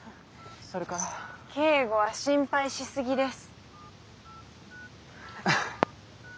京吾は心配しすぎです。